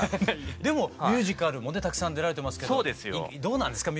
でもミュージカルもねたくさん出られてますけどもどうなんですか？